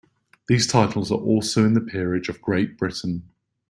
These titles are also in the Peerage of Great Britain.